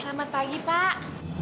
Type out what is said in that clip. selamat pagi pak